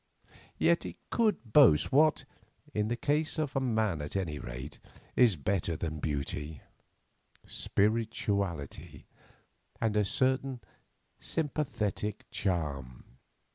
Yet it could boast what, in the case of a man at any rate, is better than beauty—spirituality, and a certain sympathetic charm.